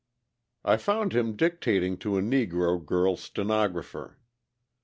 I found him dictating to a Negro girl stenographer.